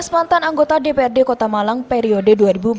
dua belas mantan anggota dprd kota malang periode dua ribu empat belas dua ribu dua